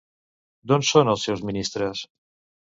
D'on són els seus ministres?